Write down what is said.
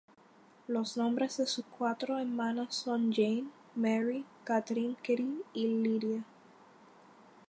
Los nombres de sus cuatro hermanas son Jane, Mary, Catherine "Kitty" y Lydia.